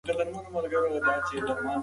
مرغۍ د واورې له امله د پناه ځای په لټه کې وې.